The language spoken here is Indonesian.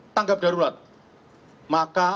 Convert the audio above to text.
tanggap darurat maka